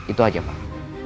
itu aja pak